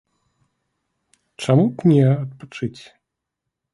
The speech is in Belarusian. Чаму б не адпачыць?